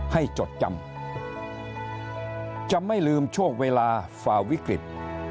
จดจำจะไม่ลืมช่วงเวลาฝ่าวิกฤต